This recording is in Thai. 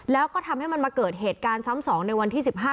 แล้วก็ทำให้มันมาเกิดเหตุการณ์ซ้ำสองในวันที่๑๕